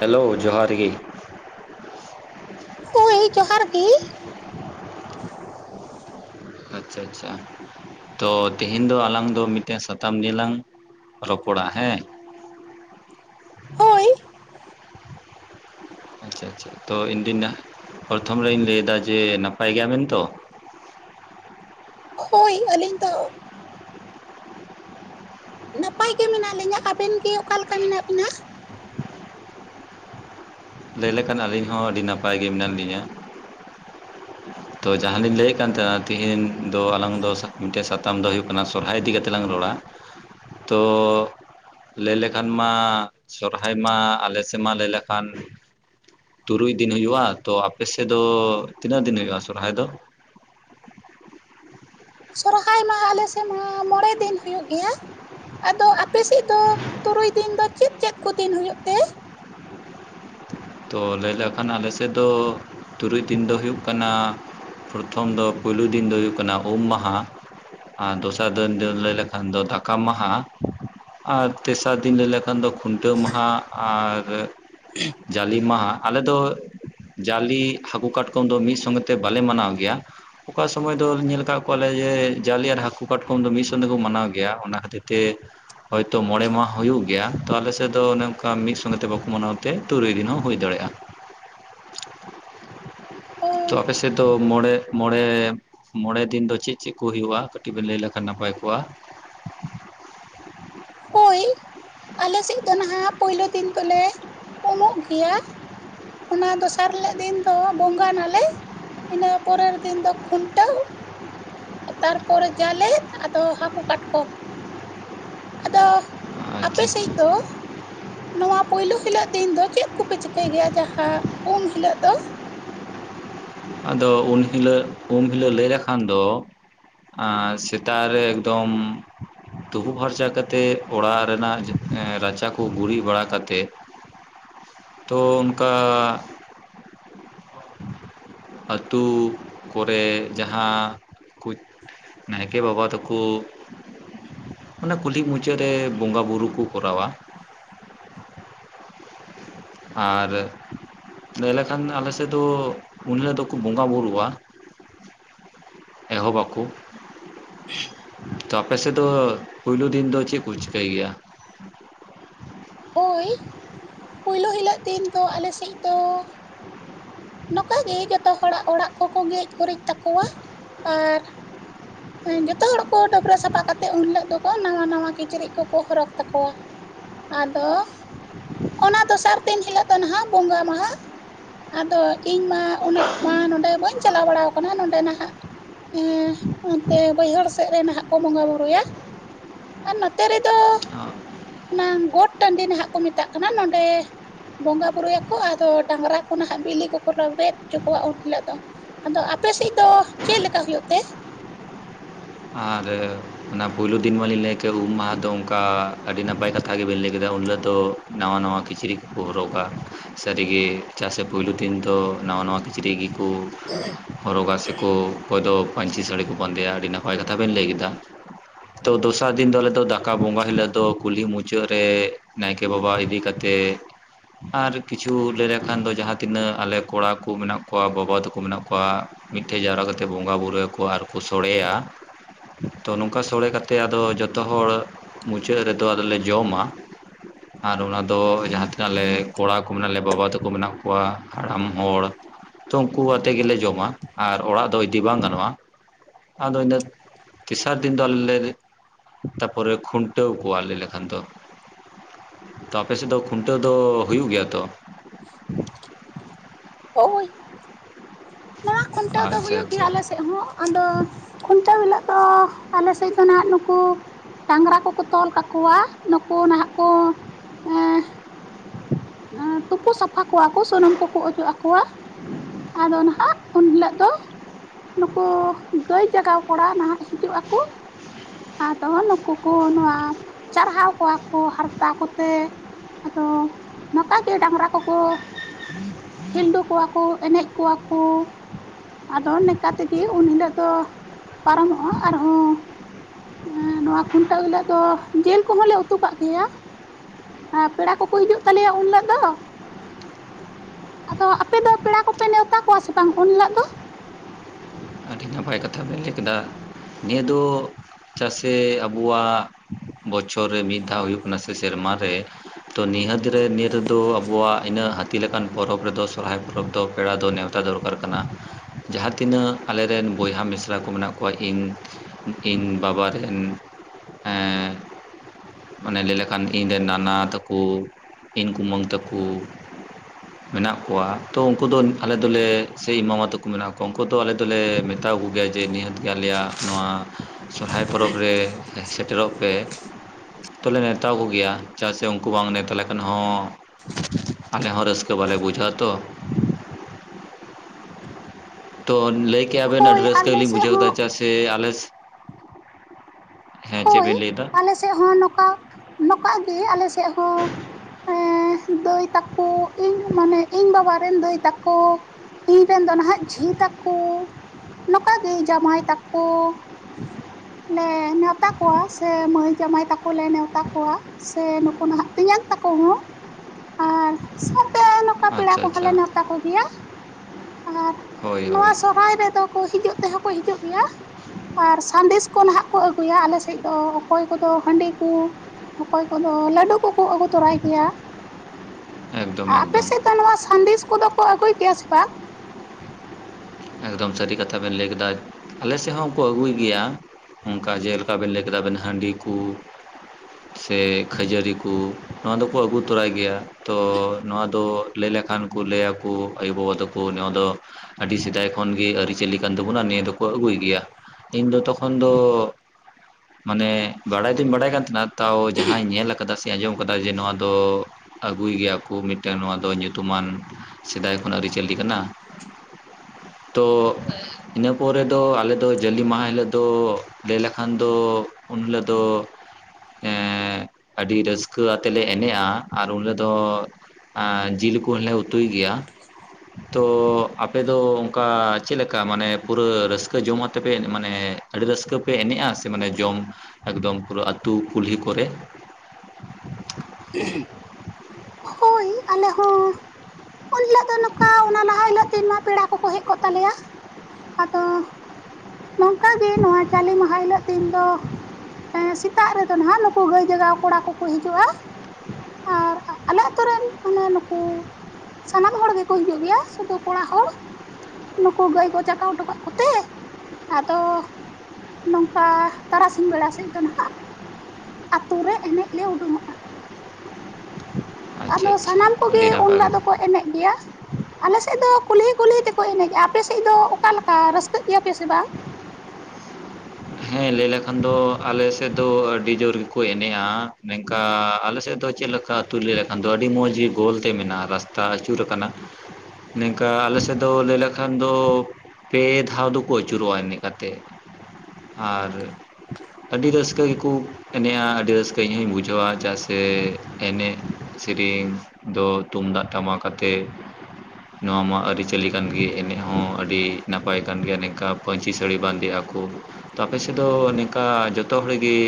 Hello ᱡᱚᱸᱦᱟᱨ ᱜᱮ ᱦᱳᱭ ᱡᱚᱸᱦᱟᱨ ᱜᱮ ᱟᱪᱪᱷᱟ ᱟᱪᱪᱷᱟ ᱛᱚ ᱛᱮᱦᱤᱧ ᱫᱚ ᱟᱞᱟᱝ ᱫᱚ ᱢᱤᱫᱴᱮᱱ ᱥᱟᱛᱟᱢ ᱫᱤᱭᱮ ᱞᱟᱝ ᱨᱚᱯᱚᱲᱟ ᱦᱮᱸ ᱦᱳᱭ ᱟᱪᱪᱷᱟ ᱟᱪᱪᱷᱟ ᱛᱚ [unintelligible] ᱯᱚᱨᱚᱛᱷᱚᱢ ᱨᱮᱧ ᱞᱟᱹᱭᱮᱫᱟ ᱡᱮ ᱱᱟᱯᱟᱭ ᱜᱮᱭᱟᱵᱤᱱ ᱛᱚ? ᱦᱳᱭ ᱟᱹᱞᱤᱧ ᱫᱚ ᱱᱟᱯᱟᱭ ᱜᱮ ᱢᱮᱱᱟᱜ ᱞᱤᱧᱟᱹ ᱟᱵᱮᱱ ᱜᱤ ᱚᱠᱟᱞᱮᱠᱟ ᱢᱮᱱᱟᱜ ᱵᱤᱱᱟ? ᱞᱟᱹᱭ ᱞᱮᱠᱷᱟᱱ ᱟᱹᱞᱤᱧ ᱦᱚᱸ ᱟᱹᱰᱤ ᱱᱟᱯᱟᱭ ᱜᱮ ᱢᱮᱱᱟᱜ ᱞᱤᱧᱟ ᱛᱳ ᱡᱟᱦᱟᱸ ᱞᱤᱧ ᱞᱟᱹᱭᱮᱫ ᱠᱟᱱ ᱛᱟᱦᱮᱱᱟ ᱛᱮᱦᱮᱧ ᱫᱚ ᱟᱞᱟᱝ ᱫᱚ ᱢᱤᱫᱴᱮᱱ ᱥᱟᱛᱟᱢ ᱫᱚ ᱦᱩᱭᱩᱜ ᱠᱟᱱᱟ ᱥᱚᱨᱦᱟᱭ ᱤᱫᱤ ᱠᱟᱛᱮ ᱞᱟᱝ ᱨᱚᱲᱟ ᱛᱚᱻ ᱞᱟᱹᱭ ᱞᱮᱠᱷᱟᱱ ᱢᱟ ᱥᱚᱨᱦᱟᱭ ᱢᱟ ᱟᱞᱮ ᱥᱮᱫ ᱢᱟ ᱞᱟᱹᱭ ᱞᱮᱠᱷᱟᱱ ᱛᱩᱨᱩᱭ ᱫᱤᱱ ᱦᱩᱭᱩᱜᱼᱟ, ᱛᱚ ᱟᱯᱮ ᱥᱮᱫ ᱫᱚ ᱛᱤᱱᱟᱹᱜ ᱫᱤᱱ ᱦᱩᱭᱩᱜᱼᱟ ᱥᱚᱨᱦᱟᱭ ᱫᱚ? ᱥᱚᱨᱦᱟᱭ ᱢᱟ ᱟᱞᱮ ᱥᱮᱫ ᱢᱟ ᱢᱚᱬᱮ ᱫᱤᱱ ᱦᱩᱭᱩᱜ ᱜᱮᱭᱟ ᱟᱫᱚ ᱟᱯᱮᱥᱮᱫ ᱫᱚ ᱛᱩᱨᱩᱭ ᱫᱤᱱ ᱫᱚ ᱪᱮᱫ ᱪᱮᱫ ᱠᱚ ᱫᱤᱱ ᱦᱩᱭᱩᱜ ᱛᱮ? ᱛᱚ ᱞᱟᱹᱭ ᱞᱮᱠᱷᱟᱱ ᱟᱞᱮ ᱥᱮᱫ ᱫᱚ ᱛᱩᱨᱩᱭ ᱫᱤᱱ ᱫᱚ ᱦᱩᱭᱩᱜ ᱠᱟᱱᱟ ᱯᱨᱚᱛᱷᱚᱢ ᱫᱚ ᱯᱳᱭᱞᱳ ᱫᱤᱱ ᱫᱚ ᱦᱩᱭᱩᱜ ᱠᱟᱱᱟ ᱩᱢ ᱢᱟᱦᱟ ᱟᱨ ᱫᱚᱥᱟᱨ ᱫᱤᱱ ᱫᱚ ᱞᱟᱹᱭ ᱞᱮᱠᱷᱟᱱ ᱫᱚ ᱫᱟᱠᱟ ᱢᱟᱦᱟ ᱟᱨ ᱛᱮᱥᱟᱨ ᱫᱤᱱ ᱞᱟᱹᱭ ᱞᱮᱠᱷᱟᱱ ᱫᱚ ᱠᱷᱩᱱᱴᱟᱹᱣ ᱢᱟᱦᱟ ᱟᱨ [unintelligible] ᱡᱟᱞᱮ ᱢᱟᱦᱟ ᱟᱞᱮ ᱫᱚ ᱡᱟᱞᱮ ᱦᱟᱹᱠᱩ ᱠᱟᱴᱠᱚᱢ ᱫᱚ ᱢᱤᱫ ᱥᱚᱸᱜᱮ ᱛᱮ ᱵᱟᱞᱮ ᱢᱟᱱᱟᱣ ᱜᱮᱭᱟ ᱚᱠᱟ ᱥᱚᱢᱚᱭ ᱫᱚ ᱧᱮᱞ ᱟᱠᱟᱫ ᱠᱚᱣᱟᱞᱮ ᱡᱮ ᱡᱟᱞᱮ ᱟᱨ ᱦᱟᱹᱠᱩ ᱠᱟᱴᱠᱚᱢ ᱫᱚ ᱢᱤᱫ ᱥᱚᱝ ᱛᱮᱠᱚ ᱢᱟᱱᱟᱣ ᱜᱮᱭᱟ ᱚᱱᱟ ᱠᱷᱟᱹᱛᱤᱨ ᱛᱮ ᱦᱚᱭᱛᱚ ᱢᱚᱬᱮ ᱢᱟᱦᱟ ᱦᱩᱭᱩᱜ ᱜᱮᱭᱟ ᱛᱚ ᱟᱞᱮᱥᱮᱫ ᱫᱚ ᱚᱱᱮ ᱚᱱᱠᱟ ᱢᱤᱫ ᱥᱚᱸᱜᱮ ᱛᱮ ᱵᱟᱠᱚ ᱢᱟᱱᱟᱣ ᱛᱮ ᱛᱩᱨᱩᱭ ᱫᱤᱱ ᱦᱚᱸ ᱦᱩᱭ ᱫᱟᱲᱮᱭᱟᱜᱼᱟ ᱚ ᱛᱚ ᱟᱯᱮ ᱥᱮᱫ ᱫᱚ ᱢᱚᱬᱮ ᱢᱚᱬᱮ ᱢᱚᱬᱮ ᱫᱤᱱ ᱫᱚ ᱪᱮᱫ ᱪᱮᱫ ᱠᱚ ᱦᱩᱭᱩᱜᱼᱟ ᱠᱟᱹᱴᱤᱡ ᱵᱮᱱ ᱞᱟᱹᱭ ᱞᱮᱠᱷᱟᱱ ᱱᱟᱯᱟᱭ ᱠᱚᱜᱼᱟ ᱟᱞᱮᱥᱮᱫ ᱫᱚ ᱱᱟᱦᱟᱜ ᱯᱳᱭᱞᱳ ᱫᱤᱱ ᱫᱚᱞᱮ ᱩᱢᱩᱜ ᱜᱮᱭᱟ ᱚᱱᱟ ᱫᱚᱥᱟᱨ ᱦᱤᱞᱳᱜ ᱫᱤᱱ ᱫᱚ ᱵᱚᱸᱜᱟ ᱱᱟᱞᱮ ᱤᱱᱟᱹ ᱯᱚᱨᱮᱨ ᱫᱤᱱ ᱫᱚ ᱠᱷᱩᱱᱴᱟᱹᱣ ᱛᱟᱨᱯᱚᱨᱮ ᱡᱟᱞᱮ ᱟᱫᱚ ᱦᱟᱹᱠᱩ ᱠᱟᱴᱠᱚᱢ ᱟᱫᱚ ᱟᱯᱮ ᱟᱪᱪᱷᱟ ᱥᱮᱫ ᱫᱚ? ᱱᱚᱣᱟ ᱯᱩᱭᱞᱩ ᱦᱤᱞᱳᱜ ᱫᱤᱱ ᱫᱚ ᱪᱮᱫ ᱠᱚᱯᱮ ᱪᱤᱠᱟᱹᱭ ᱜᱮᱭᱟ ᱡᱟᱦᱟᱸ ᱩᱢ ᱦᱤᱞᱳᱜ ᱫᱚ? ᱟᱫᱚ ᱩᱱ ᱦᱤᱞᱳᱜ ᱩᱢ ᱦᱤᱞᱳᱜ ᱞᱟᱹᱭ ᱞᱮᱠᱷᱟᱱ ᱫᱚ ᱟᱸᱻ ᱥᱮᱛᱟᱜ ᱨᱮ ᱮᱠᱫᱚᱢ ᱛᱩᱯᱩ ᱯᱷᱟᱨᱪᱟ ᱠᱟᱛᱮᱫ ᱚᱲᱟᱜ ᱨᱮᱱᱟᱜ ᱨᱟᱪᱟ ᱠᱚ ᱜᱩᱨᱤᱡ ᱵᱟᱲᱟ ᱠᱟᱛᱮᱫ ᱛᱚ ᱚᱱᱠᱟ ᱟᱹᱛᱩ ᱠᱚᱨᱮ ᱡᱟᱦᱟᱸ ᱠᱚ ᱱᱟᱭᱠᱮ ᱵᱟᱵᱟ ᱛᱟᱠᱚ ᱢᱟᱱᱮ ᱠᱩᱞᱦᱤ ᱢᱩᱪᱟᱹᱫ ᱨᱮ ᱵᱚᱸᱜᱟ ᱵᱩᱨᱩ ᱠᱚ ᱠᱚᱨᱟᱣᱟ ᱟᱨ ᱞᱟᱹᱭ ᱞᱮᱠᱷᱟᱱ ᱟᱞᱮ ᱥᱮᱫ ᱫᱚ ᱩᱱᱦᱤᱞᱳᱜ ᱫᱚᱠᱚ ᱵᱚᱸᱜᱟ ᱵᱩᱨᱩᱜᱼᱟ ᱮᱦᱚᱵ ᱟᱠᱚ ᱛᱚ ᱟᱯᱮ ᱥᱮᱫ ᱫᱚ ᱯᱳᱭᱞᱳ ᱫᱤᱱ ᱫᱚ ᱪᱮᱫ ᱠᱚ ᱪᱤᱠᱟᱹᱭ ᱜᱮᱭᱟ? ᱦᱳᱭ ᱯᱳᱭᱞᱳ ᱦᱤᱞᱳᱜ ᱫᱤᱱ ᱫᱚ ᱟᱞᱮᱥᱮᱫ ᱫᱚ ᱱᱚᱝᱠᱟ ᱜᱮ ᱡᱚᱛᱚ ᱦᱚᱲᱟᱜ ᱚᱲᱟᱜ ᱠᱚᱠᱚ ᱜᱮᱡ ᱜᱩᱨᱤᱡ ᱛᱟᱠᱚᱣᱟ ᱟᱨ ᱡᱷᱚᱛᱚ ᱦᱚᱲ ᱠᱚ ᱰᱟᱹᱵᱽᱨᱟᱹ ᱥᱟᱯᱷᱟ ᱠᱟᱛᱮᱜ ᱩᱱ ᱦᱤᱞᱳᱜ ᱫᱚ ᱠᱚ ᱱᱟᱣᱟ ᱱᱟᱣᱟ ᱠᱤᱪᱨᱤᱡ ᱠᱚᱠᱚ ᱦᱚᱨᱚᱜ ᱛᱟᱠᱚᱣᱟ ᱟᱫᱚ ᱚᱱᱟ ᱫᱚᱥᱟᱨ ᱫᱤᱱ ᱦᱤᱞᱳᱜ ᱫᱚ ᱱᱟᱦᱟᱜ ᱵᱚᱸᱜᱟ ᱢᱟᱦᱟ ᱟᱫᱚ ᱤᱧ ᱢᱟ ᱩᱱᱟᱹᱜ ᱢᱟ ᱱᱚᱰᱮ ᱵᱟᱹᱧ ᱪᱟᱞᱟᱣ ᱵᱟᱲᱟᱣ ᱠᱟᱱᱟ ᱱᱚᱰᱮ ᱱᱟᱦᱟᱜ ᱮᱸ ᱚᱱᱛᱮ ᱵᱟᱹᱭᱦᱟᱹᱲ ᱥᱮᱫ ᱨᱮ ᱱᱟᱦᱟᱜ ᱠᱚ ᱵᱚᱸᱜᱟ ᱵᱩᱨᱩᱭᱟ ᱟᱨ ᱱᱚᱛᱮ ᱨᱮᱫᱚ ᱚᱱᱟ ᱜᱚᱴ ᱴᱟᱺᱰᱤ ᱱᱟᱦᱟᱜ ᱠᱚ ᱢᱮᱛᱟᱜ ᱠᱟᱱᱟ ᱱᱚᱰᱮ ᱵᱚᱸᱜᱟ ᱵᱩᱨᱩᱭᱟᱠᱚ ᱟᱫᱚ ᱰᱟᱝᱨᱟ ᱠᱚ ᱱᱟᱦᱟᱜ ᱵᱤᱞᱤ ᱠᱚᱠᱚ ᱞᱮᱵᱮᱫ ᱦᱚᱪᱚ ᱠᱚᱣᱟ ᱩᱱ ᱦᱤᱞᱳᱜ ᱫᱚ ᱟᱫᱚ ᱟᱯᱮᱥᱮᱫ ᱫᱚ ᱪᱮᱫ ᱞᱮᱠᱟ ᱦᱩᱭᱩᱜ ᱛᱮ? ᱟᱨ ᱚᱱᱟ ᱯᱩᱭᱞᱩ ᱫᱤᱱ ᱢᱟᱞᱤᱧ ᱞᱟᱹᱭ ᱠᱮᱫ ᱩᱢ ᱢᱟᱦᱟ ᱫᱚ ᱚᱱᱠᱟ ᱟᱹᱰᱤ ᱱᱟᱯᱟᱭ ᱠᱟᱛᱷᱟ ᱜᱮᱵᱮᱱ ᱞᱟᱹᱭ ᱠᱮᱫᱟ ᱩᱱ ᱦᱤᱞᱳᱜ ᱫᱚ ᱱᱟᱣᱟ ᱱᱟᱣᱟ ᱠᱤᱪᱨᱤᱡ ᱠᱚᱠᱚ ᱦᱚᱨᱚᱜᱟ ᱥᱟᱹᱨᱤᱜᱮ ᱪᱟᱥᱮ ᱯᱩᱭᱞᱩ ᱫᱤᱱ ᱫᱚ ᱱᱟᱣᱟ ᱱᱟᱣᱟ ᱠᱤᱪᱨᱤᱡ ᱜᱮᱠᱚ ᱦᱚᱨᱚᱜᱟ ᱥᱮᱠᱚ ᱚᱠᱚᱭ ᱫᱚ ᱯᱟᱹᱧᱪᱤ ᱥᱟᱹᱲᱤ ᱠᱚ ᱵᱟᱸᱫᱮᱭᱟ ᱟᱹᱰᱤ ᱱᱟᱯᱟᱭ ᱠᱟᱛᱷᱟ ᱵᱮᱱ ᱞᱟᱹᱭ ᱠᱮᱫᱟ ᱛᱳ ᱫᱚᱥᱟᱨ ᱫᱤᱱ ᱫᱚ ᱟᱞᱮ ᱫᱚ ᱫᱟᱠᱟ ᱵᱚᱸᱜᱟ ᱦᱤᱞᱳᱜ ᱫᱚ ᱠᱩᱞᱦᱤ ᱢᱩᱪᱟᱹᱫ ᱨᱮ ᱱᱟᱭᱠᱮ ᱵᱟᱵᱟ ᱤᱫᱤ ᱠᱟᱛᱮᱫ ᱟᱨ ᱠᱤᱪᱷᱩ ᱞᱟᱹᱭ ᱞᱮᱠᱷᱟᱱ ᱫᱚ ᱡᱟᱦᱟᱸ ᱛᱤᱱᱟᱹᱜ ᱟᱞᱮ ᱠᱚᱲᱟ ᱠᱩ ᱢᱮᱱᱟᱜ ᱠᱚᱣᱟ ᱵᱟᱵᱟ ᱛᱟᱠᱚ ᱢᱮᱱᱟᱜ ᱠᱚᱣᱟ ᱢᱤᱴᱮᱡ ᱡᱟᱣᱨᱟ ᱠᱟᱛᱮᱫ ᱵᱚᱸᱜᱟ ᱵᱩᱨᱩ ᱭᱟᱠᱚ ᱟᱨᱠᱩ ᱥᱲᱮᱭᱟ ᱛᱚ ᱠᱟ ᱥᱳᱲᱮ ᱠᱟᱛᱮᱫ ᱟᱫᱚ ᱡᱚᱛᱚ ᱦᱚᱲ ᱢᱩᱪᱟᱹᱫ ᱨᱮᱫᱚ ᱟᱫᱚᱞᱮ ᱡᱚᱢᱟ ᱟᱨ ᱚᱱᱟ ᱫᱚ ᱡᱟᱦᱟᱸ ᱛᱤᱱᱟᱹᱜ ᱞᱮ ᱠᱚᱲᱟ ᱠᱚ ᱢᱮᱱᱟᱜ ᱞᱮ ᱵᱟᱵᱟ ᱛᱟᱠᱚ ᱢᱮᱱᱟᱜ ᱠᱚᱣᱟ ᱦᱟᱲᱟᱢ ᱦᱚᱲ ᱛᱚ ᱩᱝᱠᱩ ᱟᱛᱮ ᱜᱮᱞᱮ ᱡᱚᱢᱟ ᱟᱨ ᱚᱲᱟᱜ ᱫᱚ ᱤᱫᱤ ᱵᱟᱝ ᱜᱟᱱᱚᱜᱼᱟ ᱟᱫᱚ ᱤᱧᱫᱚ ᱛᱮᱥᱟᱨ ᱫᱤᱱ ᱫᱚ ᱟᱞᱮ ᱞᱮ ᱛᱟᱯᱚᱨᱮ ᱠᱷᱩᱱᱴᱟᱹᱣ ᱠᱚᱣᱟᱞᱮ ᱞᱮᱠᱷᱟᱱ ᱫᱚ ᱛᱚ ᱟᱯᱮ ᱥᱮᱫ ᱫᱚ ᱠᱷᱩᱱᱴᱟᱹᱣ ᱫᱚ ᱦᱩᱭᱩᱜ ᱜᱮᱭᱟ ᱛᱚ [inaudible] ᱦᱳᱭ ᱱᱚᱣᱟ ᱠᱷᱩᱱᱴᱟᱹᱣ ᱫᱚ ᱟᱪᱪᱷᱟ ᱦᱩᱭᱩᱜ ᱜᱮᱭᱟ ᱟᱪᱪᱷᱟ ᱟᱞᱮ ᱥᱮᱫ ᱦᱚᱸ ᱟᱫᱚ ᱠᱷᱩᱱᱴᱟᱹᱣ ᱦᱤᱞᱳᱜ ᱫᱚ ᱟᱞᱮ ᱥᱮᱡ ᱫᱚ ᱱᱟᱜ ᱱᱩᱠᱩ ᱰᱟᱝᱨᱟ ᱠᱚᱠᱚ ᱛᱚᱞ ᱠᱟᱠᱚᱣᱟ ᱱᱩᱠᱩ ᱱᱟᱦᱟᱜ ᱠᱚ ᱮᱸ ᱮ ᱛᱩᱯᱩ ᱥᱟᱯᱷᱟ ᱠᱚᱣᱟ ᱠᱚ ᱥᱩᱱᱩᱢ ᱠᱚᱠᱚ ᱚᱡᱚᱜ ᱟᱠᱚᱣᱟ ᱟᱫᱚ ᱱᱟ ᱦᱟᱸᱜ ᱩᱱ ᱦᱤᱞᱳᱜ ᱫᱚ ᱱᱩᱠᱩ ᱜᱟᱹᱭ ᱡᱟᱜᱟᱣ ᱠᱚᱲᱟ ᱱᱟᱦᱟᱜ ᱦᱤᱡᱩᱜ ᱟᱠᱚ ᱟᱫᱚ ᱱᱩᱠᱩ ᱠᱚ ᱱᱚᱣᱟ ᱪᱟᱨᱦᱟᱣ ᱠᱚᱣᱟ ᱠᱚ ᱦᱟᱨᱛᱟ ᱠᱚᱛᱮ ᱟᱫᱚ ᱱᱚᱠᱟ ᱜᱮ ᱰᱟᱝᱨᱟ ᱠᱚᱠᱚ ᱠᱷᱮᱞᱰᱩ ᱠᱚᱣᱟ ᱠᱚ ᱮᱱᱮᱡ ᱠᱚᱣᱟ ᱠᱚ ᱟᱫᱚ ᱱᱮᱠᱟ ᱛᱮᱜᱤ ᱩᱱ ᱦᱤᱞᱳᱜ ᱫᱚ ᱯᱟᱨᱚᱢᱚᱜᱼᱟ ᱟᱨᱦᱚᱸ ᱮᱸ ᱱᱚᱣᱟ ᱠᱷᱩᱱᱴᱟᱹᱣ ᱦᱤᱞᱳᱜ ᱫᱚ ᱡᱮᱞ ᱠᱚᱦᱚᱸᱞᱮ ᱩᱛᱩ ᱠᱟᱜ ᱜᱮᱭᱟ ᱦᱮᱸ ᱯᱮᱲᱟ ᱠᱚᱠᱚ ᱦᱤᱡᱩᱜ ᱛᱟᱞᱮᱭᱟ ᱩᱱ ᱦᱤᱞᱜ ᱫᱚ ᱟᱫᱚ ᱟᱯᱮ ᱫᱚ ᱯᱮᱲᱟ ᱠᱚᱯᱮ ᱱᱮᱣᱛᱟ ᱠᱚᱣᱟ ᱥᱮ ᱵᱟᱝ ᱩᱱ ᱦᱤᱞᱳᱜ ᱫᱚ ᱦᱳᱭ ᱠᱟᱛᱷᱟ ᱵᱤᱱ ᱞᱟᱹᱭ ᱠᱮᱫᱟ ᱱᱤᱭᱟᱹ ᱫᱚ ᱪᱟᱜ ᱥᱮ ᱟᱵᱚᱣᱟᱜ ᱵᱚᱪᱷᱚᱨ ᱨᱮ ᱢᱤᱫ ᱫᱷᱟᱣ ᱦᱩᱭᱩᱜ ᱠᱟᱱᱟ ᱥᱮ ᱥᱮᱨᱢᱟ ᱨᱮ ᱛᱚ ᱱᱤᱦᱟᱹᱛ ᱨᱮ ᱱᱤᱭᱟᱹ ᱨᱮᱫᱚ ᱟᱵᱚᱣᱟᱜ ᱤᱱᱟᱹ ᱦᱟᱹᱛᱤ ᱞᱮᱠᱟᱱ ᱯᱚᱨᱚᱵᱽ ᱨᱮᱫᱚ ᱥᱚᱨᱦᱟᱭ ᱯᱚᱨᱚᱵᱽ ᱫᱚ ᱯᱮᱲᱟ ᱫᱚ ᱱᱮᱣ ᱛᱟ ᱫᱚᱨᱠᱟᱨ ᱠᱟᱱᱟ ᱡᱟᱦᱟᱸ ᱛᱤᱱᱟᱹᱜ ᱟᱞᱮᱨᱮᱱ ᱵᱚᱭᱦᱟ ᱢᱤᱥᱨᱟ ᱠᱚ ᱢᱮᱱᱟᱜ ᱠᱚᱣᱟ ᱤᱧ ᱤᱧ ᱵᱟᱵᱟ ᱨᱮᱱ ᱮᱸᱻ ᱢᱟᱱᱮ ᱞᱟᱹᱭ ᱞᱮᱠᱷᱟᱱ ᱤᱧ ᱨᱮᱱ ᱱᱟᱱᱟ ᱛᱟᱠᱩ ᱤᱧ ᱠᱩᱢᱟᱹᱝ ᱛᱟᱠᱩ ᱢᱮᱱᱟᱜ ᱠᱚᱣᱟ ᱛᱚ ᱩᱱᱠᱩ ᱫᱚ ᱟᱞᱮ ᱫᱚᱞᱮ ᱥᱮ ᱤᱧ ᱢᱟᱢᱟ ᱛᱟᱠᱩ ᱢᱮᱱᱟᱜ ᱠᱚᱣᱟ ᱩᱱᱠᱩ ᱫᱚ ᱟᱞᱮ ᱫᱚᱞᱮ ᱢᱮᱛᱟᱣ ᱠᱚᱜᱮᱭᱟ ᱡᱮ ᱱᱤᱦᱟᱹᱛ ᱜᱮ ᱟᱞᱮᱭᱟᱜ ᱱᱚᱣᱟ ᱥᱚᱨᱦᱟᱭ ᱯᱚᱨᱚᱵᱽ ᱨᱮ ᱦᱮᱡ ᱥᱮᱴᱮᱨᱚᱜ ᱯᱮ ᱫᱚᱞᱮ ᱱᱮᱣᱛᱟ ᱠᱚᱜᱮᱭᱟ ᱪᱮᱫᱟᱜ ᱥᱮ ᱩᱝᱠᱩ ᱵᱟᱝ ᱱᱮᱣᱛᱟ ᱞᱮᱠᱷᱟᱱ ᱦᱚᱸ ᱟᱞᱮ ᱦᱚᱸ ᱨᱥᱠᱟ ᱵᱟᱞᱮ ᱵᱩᱡᱷᱟᱣᱟ ᱛᱚ ᱛᱚ ᱞᱟᱹᱭ ᱠᱮᱟ ᱵᱮᱱ ᱟᱹᱰᱤ ᱦᱳᱭ ᱨᱟᱹᱥᱠᱟᱹ ᱟᱞᱮ ᱞᱤᱧ ᱥᱮᱫ ᱵᱩᱡᱷᱟᱹᱣ ᱫᱟ ᱦᱚᱸ ᱪᱮᱫᱟᱜ ᱥᱮ ᱟᱞᱮ ᱦᱮᱸ ᱪᱮᱫ ᱦᱳᱭ ᱵᱮᱱ ᱞᱟᱹᱭ ᱮᱫᱟ ᱟᱞᱮ ᱥᱮᱫ ᱦᱚᱸ ᱱᱚᱠᱟ ᱱᱚᱠᱟ ᱜᱮ ᱟᱞᱮ ᱥᱮᱫ ᱦᱚᱸ ᱦᱮᱸ ᱫᱟᱹᱭ ᱛᱟᱠᱚ ᱤᱧ ᱢᱟᱱᱮ ᱤᱧ ᱵᱟᱵᱟ ᱨᱮᱱ ᱫᱟᱹᱭ ᱛᱟᱠᱚ ᱤᱧ ᱨᱮᱱ ᱫᱚ ᱱᱟᱦᱟᱜ ᱡᱷᱤ ᱛᱟᱠᱚ ᱱᱚᱠᱟ ᱜᱮ ᱡᱟᱢᱟᱭ ᱛᱟᱠᱚ ᱞᱮ ᱱᱮᱣᱛᱟ ᱠᱳᱣᱟ ᱥᱮ ᱢᱟᱹᱭ ᱡᱟᱢᱟᱭ ᱛᱟᱠᱚ ᱞᱮ ᱱᱮᱣᱛᱟ ᱠᱚᱣᱟ ᱥᱮ ᱱᱩᱠᱩ ᱱᱟᱦᱟᱜ ᱛᱮᱧᱟᱝ ᱛᱟᱠᱚ ᱦᱚᱸ ᱟᱨ ᱥᱟᱶᱛᱮ ᱱᱚᱠᱟ ᱯᱮᱲᱟ ᱟᱪᱪᱷᱟ ᱠᱚᱦᱚᱸᱞᱮ ᱟᱪᱪᱷᱟ ᱱᱮᱣᱛᱟ ᱠᱚᱜᱮᱭᱟ ᱟᱨ ᱦᱳᱭ ᱦᱳᱭ ᱱᱚᱣᱟ ᱥᱚᱦᱚᱨᱟᱭ ᱨᱮᱫᱚ ᱠᱚ ᱦᱤᱡᱩᱜ ᱛᱮᱦᱚᱸ ᱠᱚ ᱦᱤᱡᱩᱜ ᱜᱮᱭᱟ ᱟᱨ ᱥᱟᱸᱫᱮᱥ ᱠᱚ ᱱᱟᱦᱟᱜ ᱠᱚ ᱟᱹᱜᱩᱭᱟ ᱟᱞᱮ ᱥᱮᱡ ᱫᱚ ᱚᱠᱚᱭ ᱠᱚᱫᱚ ᱦᱟᱺᱰᱤ ᱠᱩ ᱚᱠᱚᱭ ᱠᱚᱫᱚ ᱞᱟᱹᱰᱩ ᱠᱚᱠᱚ ᱟᱹᱜᱩ ᱛᱚᱨᱟᱭ ᱜᱮᱭᱟ ᱟ ᱮᱠᱫᱚᱢ ᱟᱯᱮ ᱮᱠᱫᱚᱢ ᱥᱮᱫ ᱫᱚ ᱱᱚᱣᱟ ᱥᱟᱸᱫᱮᱥ ᱠᱚᱫᱚ ᱠᱚ ᱟᱹᱜᱩᱭ ᱜᱮᱭᱟ ᱥᱮ ᱵᱟᱝ ᱮᱠᱫᱚᱢ ᱥᱟᱹᱨᱤ ᱠᱟᱛᱷᱟ ᱵᱮᱱ ᱞᱟᱹᱭ ᱠᱟᱫᱟ ᱟᱞᱮ ᱥᱮᱜ ᱦᱚᱸᱠᱚ ᱟᱹᱜᱩᱭ ᱜᱮᱭᱟ ᱚᱝᱠᱟ ᱡᱮᱞᱮᱠᱟ ᱵᱮᱱ ᱞᱟᱹᱭ ᱠᱮᱫᱟ ᱟᱵᱮᱱ ᱦᱟᱺᱰᱤ ᱠᱩ [inaudible] ᱥᱮ ᱠᱷᱟᱹᱡᱟᱹᱨᱤ ᱠᱩ ᱱᱚᱣᱟ ᱫᱚᱠᱚ ᱟᱹᱜᱩ ᱛᱚᱨᱟᱭ ᱜᱮᱭᱟ ᱛᱚ ᱱᱚᱣᱟ ᱫᱚ ᱞᱟᱹᱭ ᱞᱮᱠᱷᱟᱱ ᱠᱩ ᱞᱟᱹᱭᱟᱠᱩ ᱟᱭᱩ ᱵᱟᱵᱟ ᱛᱟᱠᱩ ᱱᱚᱣᱟ ᱫᱚ ᱟᱹᱰᱤ ᱥᱮᱫᱟᱭ ᱱᱤᱴ ᱠᱷᱚᱱ ᱜᱮ ᱟᱹᱨᱤᱪᱟᱹᱞᱤ ᱠᱟᱱ ᱛᱟᱵᱚᱱᱟ ᱱᱤᱭᱟᱹ ᱫᱚᱠᱚ ᱟᱹᱜᱩᱭ ᱜᱮᱭᱟ ᱤᱧ ᱫᱚ ᱛᱚᱠᱷᱚᱱ ᱫᱚ ᱾ ᱢᱟᱱᱮ ᱵᱟᱲᱟᱭ ᱫᱚᱧ ᱵᱟᱲᱟᱭ ᱠᱟᱱ ᱛᱟᱦᱮᱱᱟ ᱛᱟᱣ ᱡᱟᱦᱟᱸᱧ ᱧᱮᱞ ᱠᱟᱫᱟ ᱥᱮ᱾ ᱜᱮ ᱟᱸᱡᱚᱢ ᱠᱟᱫᱟ ᱡᱮ ᱱᱚᱣᱟ ᱫᱚ ᱟᱹᱜᱩᱭ ᱜᱮᱭᱟ ᱠᱚ ᱢᱤᱫᱴᱟᱱ ᱱᱚᱣᱟ ᱫᱚ ᱧᱩᱛᱩᱢᱟᱱ᱾ ᱥᱮᱫᱟᱭ ᱠᱷᱚᱱᱟᱜ ᱟᱹᱨᱤᱪᱟᱹᱞᱤ ᱠᱟᱱᱟ᱾ ᱛᱚ᱾ ᱤᱱᱟᱹ ᱯᱚᱨᱮ ᱫᱚ ᱟᱞᱮᱚ ᱡᱟᱞᱤ ᱢᱟᱦᱟ ᱦᱤᱞᱳᱜ ᱫᱚ ᱞᱟᱹᱭ ᱞᱮᱠᱷᱟᱱ ᱫᱚ ᱩᱱ ᱦᱤᱞᱳᱜ ᱫᱚ᱾ ᱦᱮ ᱟᱹᱰᱤ ᱨᱟᱹᱥᱠᱟᱹ ᱟᱛᱮ ᱞᱮ ᱮᱱᱮᱜ-ᱟ ᱟᱨ ᱩᱞᱮ ᱫᱚ ᱟ ᱡᱤᱞ ᱠᱚᱦᱚᱸᱞᱮ ᱩᱛᱩᱭ ᱜᱮᱭᱟ ᱛᱚ ᱟᱯᱮ ᱫᱚ? ᱠᱟ ᱪᱮᱫ ᱞᱮᱠᱟ ᱢᱟᱱᱮ ᱯᱩᱨᱟᱹ ᱨᱟᱹᱥᱠᱟᱹ ᱡᱚᱢᱟᱛᱮ ᱯᱮ ᱢᱟᱱᱮ ᱟᱹᱰᱤ ᱨᱟᱹᱥᱠᱟᱹ ᱯᱮ ᱮᱱᱮᱜ-ᱟ ᱥᱮ ᱢᱟᱱᱮ ᱡᱚᱢ? ᱮᱠᱫᱚᱢ ᱯᱩᱨᱟᱹ ᱟᱹᱛᱩ ᱠᱩᱞᱦᱤ ᱠᱚᱨᱮ᱾ ᱩ ᱦᱩᱸ ᱟᱞᱮ ᱦᱚᱸ ᱩᱱ ᱦᱞᱳᱜ ᱫᱚ ᱱᱚᱠᱟ ᱚᱱᱟ ᱞᱟᱦᱟ ᱦᱤᱞᱳ᱾ ᱛᱤᱱᱢᱟ ᱱᱟᱣᱟ ᱯᱮᱲᱟ ᱠᱚᱠᱚ ᱦᱮᱡ ᱠᱚᱜ ᱛᱟᱞᱮᱭᱟ ᱟᱫᱚ ᱱᱚᱝᱠᱟᱜᱮ ᱱᱚᱣᱟ ᱡᱟᱞᱮ ᱢᱟᱦᱟ ᱦᱤᱞᱳᱜ ᱫᱤᱱ ᱫᱚ ᱥᱮᱛᱟᱜ ᱨᱮᱫᱚ ᱱᱟᱜ ᱱᱩᱠᱩ ᱜᱟᱹᱭ ᱡᱟᱜᱟᱣ ᱠᱚᱲᱟ ᱠᱚᱠᱚ ᱦᱤᱡᱩᱜ-ᱟ᱾ ᱟᱨ ᱟᱞᱮ ᱟᱛᱳ ᱨᱮᱱ ᱢᱟᱱᱮ ᱱᱩᱠᱩ᱾ ᱥᱟᱱᱟᱢ ᱦᱚᱲ ᱜᱮᱠᱚ ᱦᱤᱡᱩᱜ ᱜᱮᱭᱟ ᱥᱩᱫᱩ ᱠᱚᱲᱟ ᱦᱚᱲ ᱱᱩᱠᱩ ᱜᱟᱹᱭ ᱠᱚ ᱡᱟᱜᱟᱣ ᱦᱚᱴᱚ ᱠᱟᱜ ᱠᱚᱛᱮ᱾ ᱟᱫᱚ ᱱᱚᱝᱠᱟ ᱛᱟᱨᱟᱥᱤᱧ ᱵᱮᱲᱟ ᱥᱮᱫ ᱫᱚ ᱱᱟᱜ ᱟᱛᱳ ᱨᱮ ᱮᱱᱮᱡ ᱞᱮ ᱩᱰᱩᱝᱚᱜ-ᱟ᱾ ᱟᱪᱪᱷᱟ ᱟᱫᱚ ᱟᱪᱪᱷᱟ ᱥᱟᱱᱟᱢ ᱠᱚᱜᱮ ᱟᱹᱰᱤ ᱩᱱ ᱱᱟᱯᱟᱭ ᱞᱚᱜ ᱠᱟᱛᱷᱟ᱾ ᱫᱚᱠᱚ ᱮᱱᱮᱜ ᱜᱮᱭᱟ᱾ ᱟᱞᱮᱥᱮᱜ ᱫᱚ ᱠᱩᱞᱦᱤ ᱠᱩᱞᱦᱤ ᱛᱮᱠᱚ ᱮᱱᱮᱡ-ᱟ ᱟᱯᱮᱥᱮᱡ ᱫᱚ ᱚᱠᱟ ᱞᱮᱠᱟ ᱨᱟᱹᱥᱠᱟᱹᱜ ᱜᱮᱭᱟ ᱯᱮ ᱥᱮ ᱵᱟᱝ? ᱦᱮᱸ ᱞᱟᱹᱭ ᱞᱮᱠᱷᱟᱱ ᱫᱚ ᱟᱞᱮ ᱥᱮᱜ ᱫᱚ ᱟᱹᱰᱤ ᱡᱳᱨ ᱜᱮᱠᱚ ᱮᱱᱮᱜ-ᱟ ᱱᱮᱝᱠᱟ ᱟᱞᱮᱥᱮᱜ ᱫᱚ ᱪᱮᱫ ᱞᱮᱠᱟ᱾ ᱟᱛᱩ ᱞᱮᱭ ᱠᱟᱱ ᱫᱚ ᱟᱹᱰᱤ ᱢᱚᱡᱽ ᱜᱮ ᱜᱳᱞᱛᱮ ᱢᱮᱱᱟᱜ-ᱟ ᱨᱟᱥᱛᱟ ᱟᱹᱪᱩᱨ ᱠᱟᱱᱟ ᱱᱮᱝᱠᱟ ᱟᱞᱮ ᱥᱮᱜ ᱫᱚ ᱞᱟᱹᱭ ᱞᱮᱠᱷᱟᱱ ᱫᱚ ᱯᱮ ᱫᱷᱟᱣ ᱫᱚᱠᱚ ᱟᱹᱪᱩᱨᱚᱜᱞ-ᱟ ᱮᱱᱮᱜ ᱠᱟ ᱠᱟᱛᱮ᱾ ᱟᱨ ᱟᱹᱰᱤ ᱨᱟᱹᱥᱠᱟᱹ ᱜᱮᱠᱩ᱾ ᱮᱱᱮ-ᱟ ᱟᱹᱰᱤ ᱨᱟᱹᱥᱠᱟᱹ ᱤᱧ ᱦᱚᱧ ᱵᱩᱡᱷᱟᱹᱣᱟ ᱪᱮᱫᱟᱜ ᱥᱮ ᱮᱱᱮᱡ ᱥᱮᱨᱮᱧ᱾ ᱫᱚ ᱛᱩᱢᱫᱟᱜ ᱴᱟᱢᱟᱠ ᱟᱛᱮ ᱱᱚᱣᱟ ᱢᱟ ᱟᱹᱨᱤᱪᱟᱹᱞᱤ ᱠᱟᱱ ᱜᱮ ᱮᱱᱮᱡ ᱦᱚᱸ ᱟᱹᱰᱤ ᱱᱟᱯᱟᱭ ᱠᱟᱱ ᱜᱮᱭᱟ ᱱᱮᱝᱠᱟ᱾ ᱯᱟᱹᱧᱪᱤ ᱥᱟᱹᱲᱤ ᱵᱟᱸᱫᱮᱜ-ᱟ ᱠᱚ ᱟᱯᱮ ᱥᱮᱫ ᱫᱚ ᱱᱮᱝᱠᱟ ᱡᱚᱛᱚ ᱦᱚᱲᱜᱮ?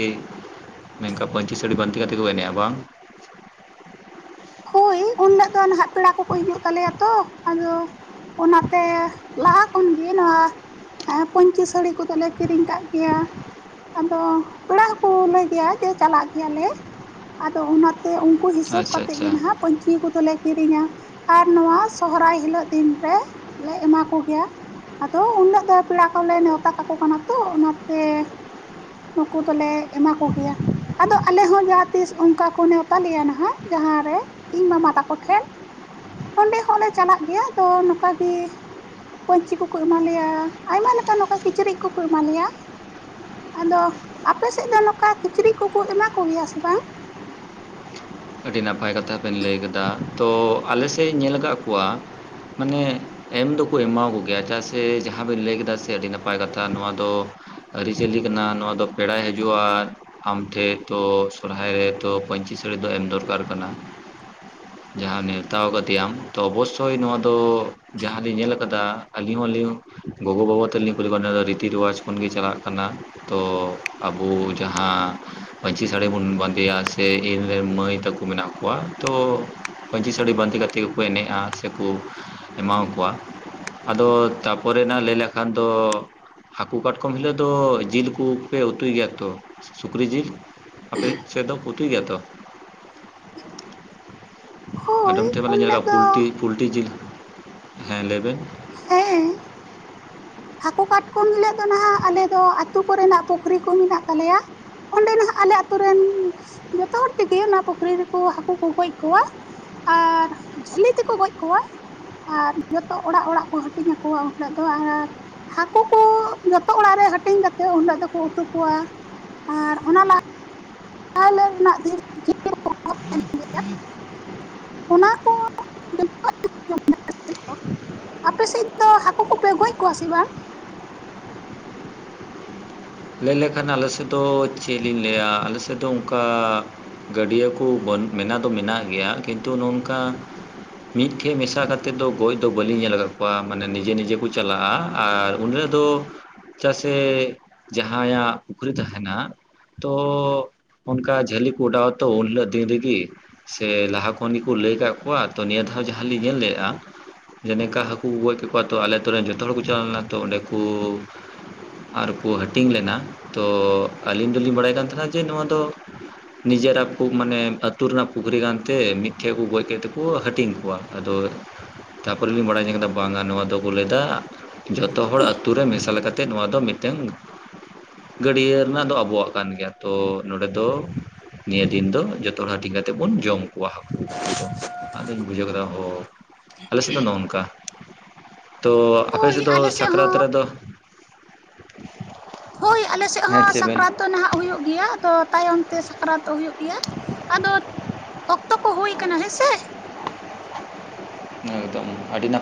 ᱱᱮᱝᱠᱟ ᱯᱟᱹᱧᱪᱤ ᱥᱟᱹᱲᱤ ᱵᱟᱸᱫᱮ ᱠᱟᱛᱮ ᱠᱚ ᱮᱱᱮᱜ-ᱟ ᱵᱟᱝ᱾ ᱟᱫᱚ ᱱᱟᱜ ᱯᱮᱲᱟ ᱠᱚᱠᱚ ᱦᱤᱡᱩᱜ ᱛᱟᱞᱮᱭᱟ ᱛᱚ ᱟᱫᱚ᱾ ᱚᱱᱟᱛᱮ ᱞᱟᱦᱟ ᱠᱷᱚᱱᱜᱮ ᱱᱚᱣᱟ᱾ ᱦᱮᱸ ᱯᱟᱹᱧᱪᱤ ᱥᱟᱹᱲᱤ ᱠᱚᱫᱚᱞᱮ ᱠᱤᱨᱤᱧ ᱠᱟᱜ ᱜᱮᱭᱟ᱾ ᱟᱫᱚ ᱯᱮᱲᱟ ᱦᱚᱸᱠᱚ ᱞᱟᱹᱭ ᱜᱮᱭᱟ ᱡᱮ ᱪᱟᱞᱟᱜ ᱜᱮᱭᱟᱞᱮ ᱟᱫᱚ ᱚᱱᱟ ᱛᱮ ᱩᱱᱠᱩ ᱦᱤᱥᱟᱹᱵᱽ ᱟᱪᱪᱷᱟ ᱠᱟᱛᱮᱜ ᱜᱮ ᱟᱪᱪᱷᱟ ᱱᱦᱟᱜ ᱯᱟᱹᱧᱪᱤ ᱠᱚᱫᱚᱞᱮ᱾ ᱠᱤᱨᱤᱧᱟ ᱟᱨ ᱱᱚᱣᱟ ᱥᱚᱦᱨᱟᱭ ᱦᱤᱞᱳᱜ ᱫᱤᱱ ᱨᱮ ᱞᱮ ᱮᱢᱟ ᱠᱚ ᱜᱮᱭᱟ᱾ ᱟᱫᱚ ᱩᱱᱞᱚᱜ ᱫᱚ ᱯᱮᱲᱟ ᱠᱚᱞᱮ ᱱᱮᱣᱛᱟ ᱠᱟᱠᱚ ᱠᱟᱱᱟ ᱛᱚ ᱚᱱᱟᱛᱮ᱾ ᱱᱩᱠᱩ ᱫᱚᱞᱮ ᱮᱢᱟ ᱠᱚ ᱜᱮᱭᱟ ᱟᱫᱚ ᱟᱞᱮ ᱦᱚᱸ ᱛᱤᱥ ᱚᱝᱠᱟ ᱠᱚ ᱱᱮᱣᱛᱟ ᱞᱮᱭᱟ ᱱᱦᱟᱜ ᱡᱟᱦᱟᱸ ᱨᱮ ᱤᱧ ᱢᱟᱢᱟ ᱛᱟᱠ᱾ ᱠᱚᱴᱚᱷᱮᱱ ᱚᱸᱰᱮ ᱦᱚᱸᱞᱮ ᱪᱟᱞᱟᱜ ᱜᱮᱭᱟ ᱫᱚ ᱱᱚᱠᱟ ᱜᱮᱸ᱾ ᱯᱟᱹᱧᱪᱤ ᱠᱚᱠᱚ ᱮᱢᱟ ᱞᱮᱭᱟ ᱟᱭᱢᱟ ᱞᱮᱠᱟᱱ ᱱᱚᱠᱟ ᱠᱤᱪᱨᱤᱡ ᱠᱚᱠᱚ ᱮᱢ ᱞᱮᱭᱟ ᱟᱫᱚ ᱟᱯᱮ ᱥᱮᱜ ᱫᱚ ᱱᱚᱝᱠᱟ ᱠᱤᱪᱨᱤᱡ ᱠᱚᱠᱚ ᱮᱢᱟ ᱠᱚᱜᱮᱭᱟ ᱥᱮ ᱵᱟᱝ? ᱟᱹᱰᱤ ᱱᱟᱯᱟᱭ ᱠᱟᱛᱷᱟ ᱞᱟᱹᱭ ᱠᱮᱫᱟ ᱛᱚ ᱟᱞᱮ ᱥᱮᱫ ᱤᱧ ᱧᱮᱞ ᱟᱠᱟᱫ ᱠᱚᱣᱟ ᱢᱟᱱᱮ᱾ ᱮᱢ ᱫᱚᱠᱚ ᱮᱢᱟ ᱠᱚᱜᱮᱭᱟ ᱪᱮᱫᱟᱜ ᱥᱮ ᱡᱟᱦᱟᱸ ᱵᱤᱱ ᱞᱟᱹᱭ ᱠᱮᱫᱟ ᱥᱮ ᱟᱹᱰᱤ ᱱᱟᱯᱟᱭ ᱠᱟᱛᱷᱟ ᱱᱚᱣᱟ ᱫᱚ᱾ ᱟᱹᱨᱤᱪᱟᱹᱞᱤ ᱠᱟᱱᱟ ᱱᱚᱣᱟ ᱫᱚ ᱯᱮᱲᱟᱭ ᱦᱤᱡᱩᱜᱼᱟ ᱟᱢ ᱴᱷᱮᱱ ᱛᱚ ᱥᱚᱨᱦᱟᱭ ᱨᱮ ᱛᱚ ᱯᱟᱹᱧᱪᱤ ᱥᱟᱹᱲᱤ ᱫᱚ ᱮᱢ ᱫᱚᱨᱠᱟᱨ ᱠᱟᱱᱟ᱾ [inaudible] ᱡᱟᱦᱟᱸ ᱱᱮᱣᱛᱟᱣ ᱟᱠᱟᱫᱮᱭᱟᱢ ᱛᱚ ᱚᱵᱚᱥᱥᱭ ᱱᱚᱣᱟ ᱫᱚ ᱡᱟᱦᱟᱸᱞᱤᱧ ᱧᱮᱞ ᱠᱟᱫᱟ ᱟᱹᱞᱤᱧ ᱦᱚᱸᱞᱤᱧ᱾ ᱜᱚᱜᱚᱼᱵᱟᱵᱟ ᱛᱞᱤᱧ ᱠᱩᱞᱤ ᱠᱚᱣᱟ ᱫᱚ ᱨᱤᱛᱤ ᱨᱮᱣᱟᱡᱽ ᱠᱷᱚᱱ ᱜᱮᱴᱮ ᱪᱟᱞᱟᱜ ᱠᱟᱱᱟ᱾ ᱛᱚ ᱟᱵᱚ ᱡᱟᱦᱟᱸ ᱯᱟᱹᱧᱪᱤ ᱥᱟᱲᱤ ᱵᱚᱱ ᱵᱟᱸᱫᱭᱟ ᱥᱮ ᱤᱧ ᱨᱮᱱ ᱢᱟᱹᱭ ᱛᱚᱠ ᱢᱮᱱᱟᱜ ᱠᱚᱣᱟ ᱛᱚ ᱯᱟᱹᱧᱪᱤ ᱥᱟᱹᱲᱤ ᱵᱟᱸᱫᱮ ᱠᱟᱛᱮᱫ ᱜᱮᱠᱚ ᱮᱱᱮᱡᱼᱟ ᱥᱮᱠᱩ ᱮᱢᱟᱠᱚᱣᱟ ᱟᱫᱚ ᱛᱟᱨᱯᱚᱨᱮᱱᱟᱜ ᱞᱟᱹᱭ ᱞᱮᱠᱷᱟᱱ ᱫᱚ ᱦᱟᱹᱠᱩ ᱠᱟᱴᱠᱚᱢ ᱦᱤᱞᱳᱜ ᱫᱚ ᱡᱤᱞ ᱠᱚᱯᱮ ᱩᱛᱩᱭ ᱜᱮᱭᱟ ᱛᱚ ᱥᱩᱠᱨᱤ ᱡᱤᱞ ᱟᱯᱮ ᱥᱮᱫ ᱫᱚ ᱩᱛᱩᱭ ᱜᱮᱭᱟᱛᱚ᱾ ᱦᱳᱭ ᱟᱰᱚᱢ ᱴᱷᱮᱱ ᱢᱟᱞᱤ ᱩᱱ ᱧᱮᱞ ᱦᱤᱞᱳᱜ ᱠᱟᱜᱼᱟ ᱫᱚ ᱯᱩᱞᱴᱤ ᱯᱩᱞᱴᱤ ᱡᱤᱞ ᱦᱮᱸ ᱞᱟᱹᱭ ᱵᱮᱱ ᱦᱮᱸ ᱦᱟᱹᱠᱩ ᱠᱟᱴᱠᱚᱢ ᱦᱤᱞᱳᱜ ᱫᱚ ᱱᱟᱦᱟᱸᱜ ᱟᱞᱮ ᱫᱚ ᱟᱹᱛᱳ ᱠᱚᱨᱮᱱᱟᱜ ᱯᱩᱠᱷᱨᱤ ᱠᱚ ᱢᱮᱱᱟᱜ ᱛᱟᱞᱮᱭᱟ᱾ ᱚᱸᱰᱮ ᱱᱟᱦᱟᱸᱜ ᱟᱞᱮ ᱟᱹᱛᱳ ᱨᱮᱱ ᱡᱚᱛᱚ ᱦᱚᱲ ᱛᱮᱜᱮ ᱚᱱᱟ ᱯᱩᱠᱷᱨᱤ ᱨᱮᱠᱚ ᱦᱟᱹᱠᱩ ᱠᱚ ᱜᱚᱡ ᱠᱚᱣᱟ ᱾ ᱟᱨ ᱡᱷᱟᱹᱞᱤ ᱛᱮᱠᱚ ᱜᱚᱡ ᱠᱚᱣᱟ᱾ ᱟᱨ ᱡᱚᱛᱚ ᱚᱲᱟᱜ ᱚᱲᱟᱜ ᱠᱚ ᱦᱟᱹᱴᱤᱧ ᱟᱠᱚᱣᱟ ᱩᱱ ᱦᱤᱞᱳᱜ ᱫᱚ ᱟᱨ ᱦᱟᱹᱠᱩ ᱠᱩ ᱡᱚᱛᱚ ᱚᱲᱟᱜ ᱨᱮ ᱦᱟᱹᱴᱤᱧ ᱠᱟᱛᱮᱜ ᱩᱱᱦᱤᱞᱟᱹᱜ ᱫᱚᱠᱚ ᱩᱛᱩ ᱠᱚᱣᱟ ᱟᱨ ᱚᱱᱟ ᱞᱟᱦᱟ ᱚᱱᱟ ᱦᱤᱞᱳᱜ ᱨᱮᱱᱟᱜ ᱫᱤᱱ ᱡᱤᱞ ᱠᱚᱠᱚ ᱩᱛᱩᱭ ᱜᱮᱭᱟ ᱚᱱᱟ ᱠᱚ [unintelligible] ᱟᱯᱮ ᱥᱮᱫ ᱫᱚ ᱦᱟᱹᱠᱩ ᱠᱚᱯᱮ ᱜᱚᱡ ᱠᱚᱣᱟ ᱥᱮ ᱵᱟᱝ ᱞᱟᱹᱭ ᱞᱮᱠᱷᱟᱱ ᱟᱞᱮ ᱥᱮᱫ ᱫᱚ ᱪᱮ ᱞᱤᱧ ᱞᱟᱹᱭᱟ? ᱟᱞᱮ ᱥᱮᱫ ᱫᱚ ᱚᱱᱠᱟ ᱜᱟᱹᱰᱭᱟᱹ ᱠᱚ ᱢᱮᱱᱟᱜ ᱫᱚ ᱢᱮᱱᱟᱜ ᱜᱮᱭᱟ ᱠᱤᱱᱛᱩ ᱱᱚᱝᱠᱟ ᱢᱤᱫ ᱴᱷᱮᱡ ᱢᱮᱥᱟ ᱠᱟᱛᱮᱫ ᱫᱚ ᱜᱚᱡ ᱫᱚ ᱵᱟᱹᱞᱤᱧ ᱧᱮᱞ ᱟᱠᱟᱫ ᱠᱚᱣᱟ ᱢᱟᱱᱮ ᱱᱤᱡᱮ ᱱᱤᱡᱮ ᱠᱚ ᱪᱟᱞᱟᱜᱼᱟ ᱟᱨ ᱩᱱ ᱦᱤᱞᱚᱜ ᱫᱚ ᱪᱟ ᱥᱮ ᱡᱟᱦᱟᱸᱭᱟᱜ ᱯᱩᱠᱷᱨᱤ ᱛᱟᱦᱮᱱᱟ᱾ ᱛᱚ ᱩᱱᱠᱟ ᱡᱷᱟᱹᱞᱤ ᱠᱚ ᱩᱴᱟᱣ ᱛᱚ ᱩᱱᱦᱤᱞᱚᱜ ᱫᱤᱱ ᱨᱤᱜᱤ ᱥᱮ ᱞᱟᱦᱟ ᱠᱷᱚᱱ ᱜᱮᱠᱚ ᱞᱟᱹᱭ ᱠᱫ ᱠᱚᱣᱟ ᱱᱤᱭᱟᱹ ᱫᱷᱟᱣ ᱡᱟᱦᱟᱸᱞᱤᱧ ᱧᱮᱞ ᱞᱮᱼᱟ᱾ ᱡᱮ ᱞᱮᱠᱟ ᱦᱟᱹᱠᱩ ᱠᱩ ᱜᱚᱡ ᱠᱮᱫ ᱠᱚᱣᱟ ᱛᱚ ᱟᱞᱮ ᱟᱹᱛᱩᱨ ᱨᱮᱱ ᱡᱚᱛᱚ ᱦᱚᱲ ᱠᱚ ᱪᱟᱞᱟᱣ ᱞᱮᱱᱟ᱾ ᱛᱚ ᱚᱸᱰᱮ ᱠᱩ ᱟᱨᱠᱚ ᱦᱟᱹᱴᱤᱧ ᱞᱮᱱᱟ ᱛᱚ ᱟᱹᱞᱤᱧ ᱫᱚᱞᱤᱧ ᱵᱟᱲᱟᱭ ᱠᱟᱱ ᱛᱟᱦᱮᱱᱟ ᱡᱮ ᱱᱚᱣᱟ ᱫᱚ ᱱᱤᱡᱮᱨᱟᱜ ᱢᱟᱱᱮ ᱟᱹᱛᱩ ᱨᱮᱱᱟᱜ ᱯᱩᱠᱷᱨᱤ ᱠᱟᱱᱛᱮ ᱢᱤᱫ ᱴᱷᱮᱱ ᱠᱩ ᱜᱚᱡ ᱠᱟᱛᱮ ᱠᱩ ᱦᱟᱹᱴᱤᱧ ᱠᱚᱣᱟ᱾ ᱟᱫᱚ ᱛᱟᱯᱚᱨ ᱞᱤᱧ ᱵᱟᱲᱟᱭ ᱧᱟᱢ ᱟᱠᱟᱫᱟ ᱵᱟᱝᱟ᱾ ᱱᱚᱣᱟ ᱫᱚᱠᱚ ᱞᱟᱹᱭᱮᱫᱟ ᱡᱚᱛᱚᱦᱚᱲ ᱟᱹᱛᱳ ᱨᱮ ᱢᱮᱥᱟᱞᱛᱮᱫ ᱱᱚᱣᱟ ᱫᱚ ᱢᱤᱫᱴᱮᱱ ᱜᱟᱹᱰᱭᱟᱹ ᱨᱮᱱᱟᱜ ᱫᱚ ᱟᱵᱚᱣᱟᱜ ᱠᱟᱱ ᱜᱮᱭᱟ ᱛᱚ ᱱᱚᱸᱰᱮ ᱫᱚ ᱱᱤᱭᱟᱹ ᱫᱤᱱ ᱫᱚ ᱡᱚᱛᱚ ᱦᱚᱲ ᱦᱟᱹᱴᱤᱧ ᱠᱟᱛᱮᱫ ᱵᱚᱱ ᱡᱚᱢ ᱠᱚᱣᱟ ᱦᱟᱹᱠᱩ ᱩᱛᱩ ᱫᱚ᱾ ᱟᱫᱚᱧ ᱵᱩᱡᱷᱟᱹᱣ ᱠᱮᱫᱟ ᱚ ᱟᱞᱮ ᱥᱮᱫ ᱫᱚ ᱱᱚᱝᱠᱟ᱾ ᱛᱚ ᱟᱯᱮ ᱦᱳᱭ ᱥᱮᱫ ᱫᱚ ᱟᱞᱮ ᱥᱟᱠᱨᱟᱛ ᱦᱚᱸ ᱨᱮᱫᱚ ᱦᱳᱭ ᱟᱞᱮ ᱥᱮᱫ ᱦᱮᱸ ᱦᱚᱸ ᱪᱮᱫ ᱵᱮᱱ ᱥᱟᱠᱨᱟᱛ ᱛᱚ ᱱᱟᱦᱟᱸᱜ ᱦᱩᱭᱩᱜ ᱜᱮᱭᱟ, ᱟᱫᱚ ᱛᱟᱭᱚᱢ ᱛᱮ ᱥᱟᱠᱨᱟᱛᱚᱜ ᱦᱩᱭᱩᱜ ᱜᱮᱭᱟ᱾ ᱟᱫᱚ, ᱚᱠᱛᱚ ᱠᱚ ᱦᱩᱭ ᱟᱠᱟᱱᱟ ᱦᱮᱸ ᱥᱮ ᱮᱠᱫᱚᱢ ᱟᱹᱰᱤ ᱱᱟᱯᱟᱭ